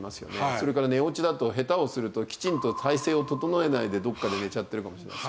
それから寝落ちだと下手をするときちんと体勢を整えないでどこかで寝ちゃってるかもしれない。